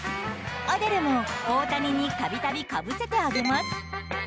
アデルも大谷にたびたびかぶせてあげます。